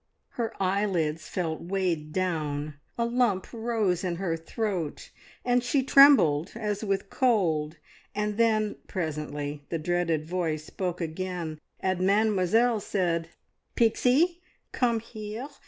Her eyelids felt weighed down, a lump rose in her throat, and she trembled as with cold, and then presently the dreaded voice spoke again, and Mademoiselle said "Pixie, come here.